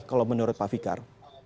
kalau menurut pak fikar